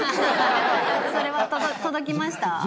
それは届きました？